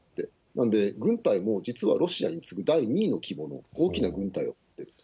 なので、軍隊も実はロシアに次ぐ第２位の規模の大きな軍隊を持っている。